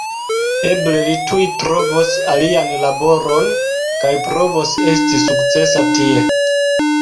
Eble li tuj trovos alian laboron, kaj provos esti sukcesa tie.